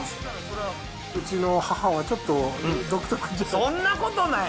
うちの母はちょっと、独特で。